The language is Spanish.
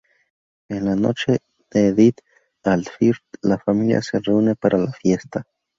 En la noche de Eid al-Fitr, la familia se reúne para la fiesta.